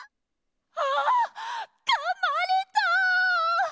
ああっかまれた！